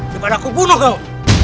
di mana aku bunuh kau